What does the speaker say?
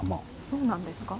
そうなんですか？